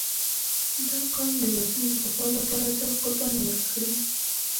• دا قوم د وطن د دفاع لپاره تل قرباني ورکړې.